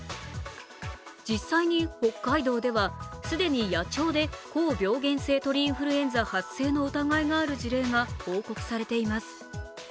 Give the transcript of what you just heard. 実際に北海道では既に野鳥で高病原性鳥インフルエンザ発生の疑いがある事例が報告されています。